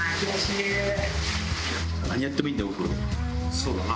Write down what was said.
そうだな。